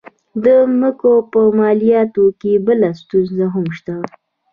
د مځکو په مالیاتو کې بله ستونزه هم شته.